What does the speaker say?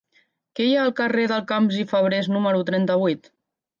Què hi ha al carrer de Camps i Fabrés número trenta-vuit?